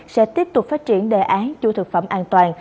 sẽ tiếp tục phát triển đề án chu thực phẩm an toàn